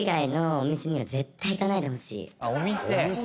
お店。